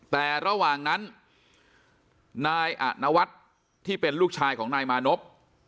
แต่ระหว่างนั้นี่เป็นลูกชายของนายมานบ